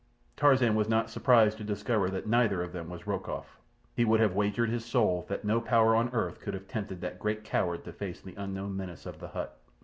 Tarzan was not surprised to discover that neither of them was Rokoff. He would have wagered his soul that no power on earth could have tempted that great coward to face the unknown menace of the hut.